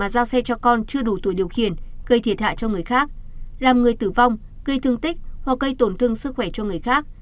gây thiệt hại cho người khác làm người tử vong gây thương tích hoặc gây tổn thương sức khỏe cho người khác